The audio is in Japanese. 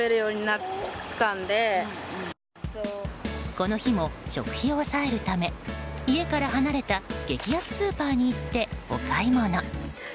この日も、食費を抑えるため家から離れた激安スーパーに行って、お買い物。